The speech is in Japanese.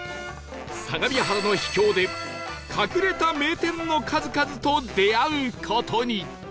相模原の秘境で隠れた名店の数々と出会う事に